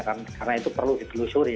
karena itu perlu dipelusuri